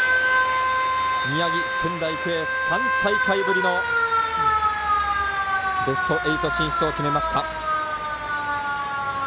宮城、仙台育英、３大会ぶりのベスト８進出を決めました。